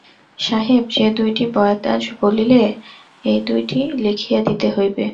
সাহেব, যে দুইটি বয়েৎ আজ বলিলে, ঐ দুইটি লিখিয়া দিতে হইবে।